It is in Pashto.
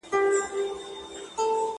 عقابي نظر دي پوه کړه ما له ورایه دي منلي,